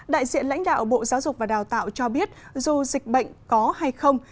đại diện lãnh đạo bộ giáo dục và đào tạo cho biết dù dịch bệnh có hay không